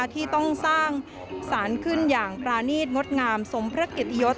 ที่ต้องสร้างสารขึ้นอย่างปรานีตงดงามสมพระเกียรติยศ